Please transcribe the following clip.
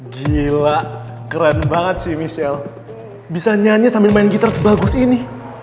gila keren banget sih michelle bisa nyanyi sambil main gitar sebagus ini